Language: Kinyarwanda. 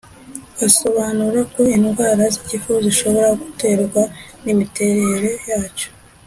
Anasobanura ko indwara z’igifu zishobora guterwa n’imiterere yacyo